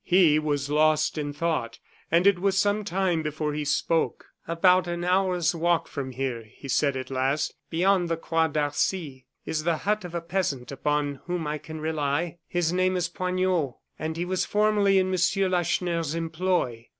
He was lost in thought, and it was some time before he spoke. "About an hour's walk from here," he said, at last, "beyond the Croix d'Arcy, is the hut of a peasant upon whom I can rely. His name is Poignot; and he was formerly in Monsieur Lacheneur's employ.